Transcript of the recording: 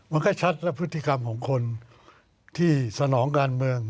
มันก็ชัดและพฤติกรรมของคนที่สนองการเมือง